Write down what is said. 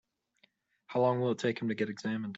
How long will it take to get him examined?